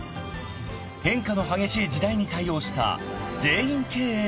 ［変化の激しい時代に対応した］